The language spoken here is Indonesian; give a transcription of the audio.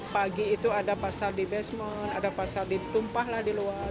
pagi itu ada pasar di basement ada pasar ditumpah lah di luar